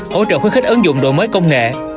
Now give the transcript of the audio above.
hỗ trợ khuyến khích ứng dụng đổi mới công nghệ